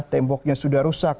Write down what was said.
temboknya sudah rusak